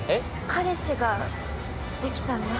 彼氏ができたんだ。